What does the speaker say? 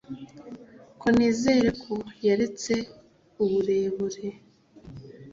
Ko nizere ko yaretse uburebure